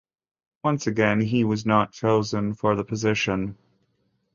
Once again he was not chosen for the position.